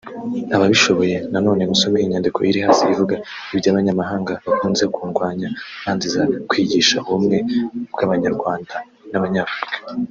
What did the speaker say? Ababishoboye nanone musome inyandiko iri hasi ivuga iby’abanyamahanga bakunze kundwanya banziza kwigisha ubumwe bw’abanyarwanda n’abanyafurika